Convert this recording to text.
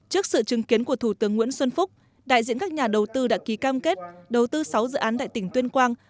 trước sự chứng kiến của thủ tướng nguyễn xuân phúc đại diện các nhà đầu tư đã ký cam kết đầu tư sáu dự án tại tỉnh tuyên quang